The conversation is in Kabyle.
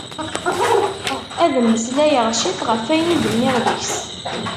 Ad mmeslayeɣ cit ɣef wayen i d-nniɣ deg-s.